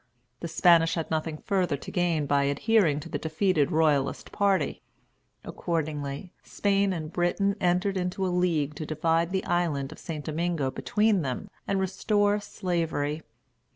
The Spanish had nothing further to gain by adhering to the defeated Royalist party. Accordingly, Spain and Great Britain entered into a league to divide the island of St. Domingo between them, and restore Slavery.